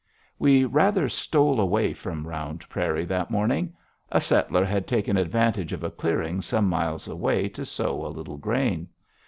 We rather stole away from Round Prairie that morning. A settler had taken advantage of a clearing some miles away to sow a little grain.